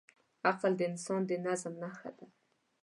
عقل د انسان د نظم نښه ده.